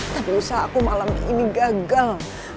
tapi usaha aku malam ini gagal